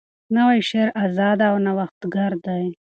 نوی شعر آزاده او نوښتګر دی.